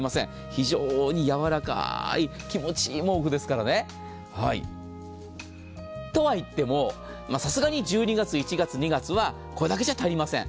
非常にやわらかい、気持ちいい毛布ですからね。とはいっても、さすがに１２月、１月、２月はこれだけじゃ足りません。